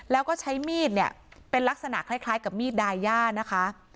แล้วก็ใช้มีดเนี่ยเป็นลักษณะคล้ายกับมีดดายานะคะ